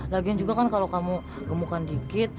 lagian juga kan kalau kamu gemukkan dikit